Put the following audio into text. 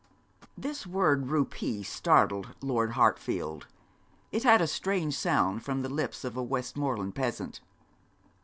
This word rupee startled Lord Hartfield. It had a strange sound from the lips of a Westmoreland peasant.